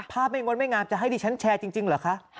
ไม่งดไม่งามจะให้ดิฉันแชร์จริงเหรอคะ